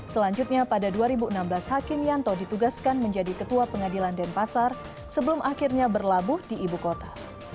selanjutnya pada dua ribu enam belas hakim yanto ditugaskan menjadi ketua pengadilan denpasar sebelum akhirnya berlabuh di ibu kota